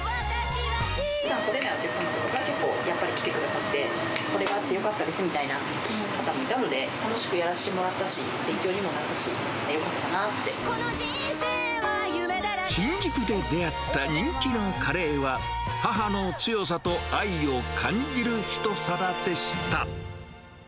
ふだん来られないお客様が、結構来てくださって、これがあってよかったですみたいな方もいたので、楽しくやらせてもらったし、勉強にもなったし、新宿で出会った人気のカレーは、母の強さと愛を感じる一皿でした。